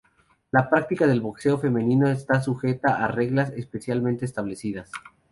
La práctica del boxeo femenino está sujeta a reglas especialmente establecidas.